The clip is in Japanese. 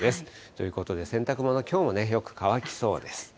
ということで、洗濯物、きょうもよく乾きそうです。